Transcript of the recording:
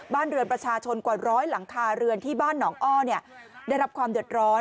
บ้านเรือนประชาชนกว่าร้อยหลังคาเรือนที่บ้านหนองอ้อได้รับความเดือดร้อน